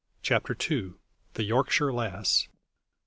CHAPTER TWO. THE "YORKSHIRE LASS."